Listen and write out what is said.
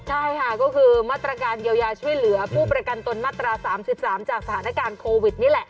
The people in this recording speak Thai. ใช่ค่ะก็คือมาตรการเยียวยาช่วยเหลือผู้ประกันตนมาตรา๓๓จากสถานการณ์โควิดนี่แหละ